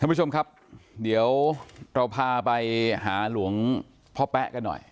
คุณผู้ชมครับเดี๋ยวเราพาไปหาหลวงพ่อแป๊ะกันหน่อย